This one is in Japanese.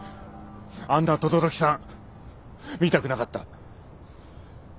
あんな轟さん見たくなかった。